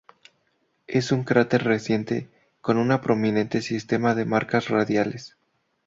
Es un cráter reciente, con un prominente sistema de marcas radiales.